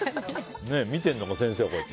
見てるのも、先生だし。